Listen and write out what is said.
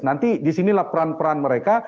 nanti di sinilah peran peran mereka